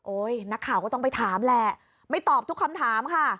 นักข่าวก็ต้องไปถามแหละไม่ตอบทุกคำถามค่ะ